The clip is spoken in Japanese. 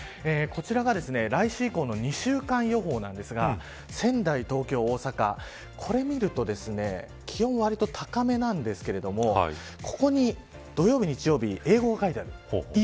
こちらが来週以降の２週間予報ですが仙台、東京、大阪これを見ると気温は割と高めなんですけれどもここに土曜日、日曜日英語が書いてある。